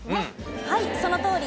はいそのとおり。